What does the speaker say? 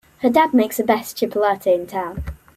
Her dad makes the best chipotle in town!